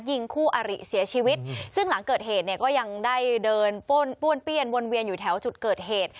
ยิงคู่อาริเสียชีวิตซึ่งหลังเกิดเหตุเนี่ยก็ยังได้เดินป้วนป้วนเปี้ยนวนเวียนอยู่แถวจุดเกิดเหตุ